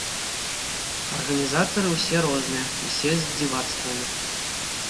Арганізатары ўсе розныя, усе з дзівацтвамі.